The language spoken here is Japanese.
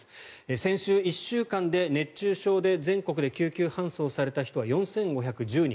先週１週間で熱中症で全国で救急搬送された人は４５１０人。